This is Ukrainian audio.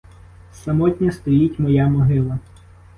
Самотня стоїть моя могила.